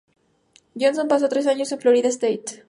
Johnson pasó tres años en Florida State.